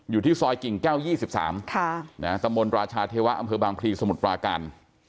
อยู่ที่ซอยกิ่งแก้ว๒๓ตำบลราชาเทวะอำเภอบางพลีสมุทรปราการ